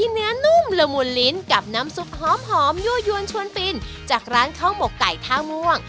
เนื้อนุ่มละมุนลิ้นกับน้ำซุปหอมยั่วยวนชวนฟินจากร้านข้าวหมกไก่ท่าม่วง